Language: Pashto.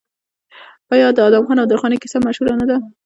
آیا د ادم خان او درخانۍ کیسه مشهوره نه ده؟